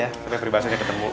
sampai pribahasanya ketemu